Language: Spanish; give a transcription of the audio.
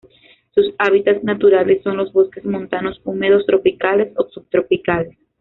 Sus hábitats naturales son los bosques montanos húmedos tropicales o subtropicales.